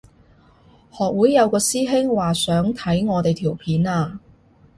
學會有個師兄話想睇我哋條片啊